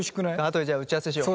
後でじゃあ打ち合わせしよう。